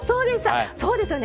そうですよね